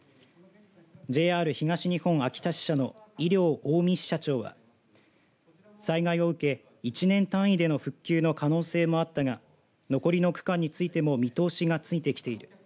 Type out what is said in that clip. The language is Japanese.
ＪＲ東日本秋田支社の井料青海支社長は災害を受け、１年単位での復旧の可能性もあったが残りの区間についても見通しがついてきている。